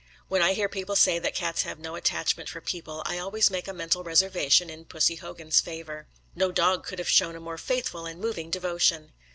When I hear people say that cats have no attachment for people I always make a mental reservation in Pussy Hogan's favour. No dog could have shown a more faithful and moving devotion.